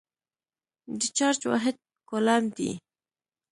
د چارج واحد کولم دی.